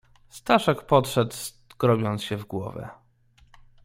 "Staszek podszedł, skrobiąc się w głowę."